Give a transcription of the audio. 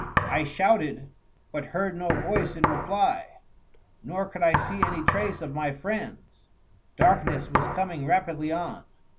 I shouted, but heard no voice in reply, nor could I see any trace of my friends. Darkness was coming rapidly on.